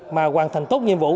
mà hoàn thành tốt nhiệm vụ